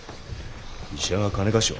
医者が金貸しを？